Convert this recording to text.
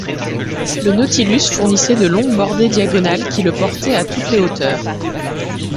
Le Nautilus fournissait de longues bordées diagonales qui le portaient à toutes les hauteurs.